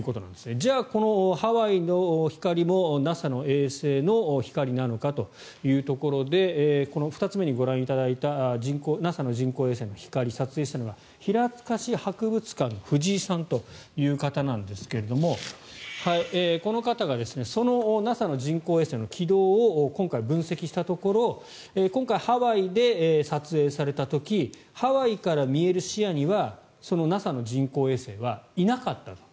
じゃあ、このハワイの光もＮＡＳＡの衛星の光なのかというところで２つ目にご覧いただいたＮＡＳＡの人工衛星の光撮影したのが平塚市博物館の藤井さんという方なんですがこの方がそのＮＡＳＡの人工衛星の軌道を今回、分析したところ今回、ハワイで撮影された時ハワイから見える視野にはそのＮＡＳＡの人工衛星はいなかった。